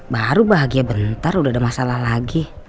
baru bahagia bentar udah ada masalah lagi